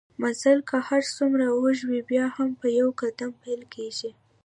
مزل که هرڅومره اوږده وي بیا هم په يو قدم پېل کېږي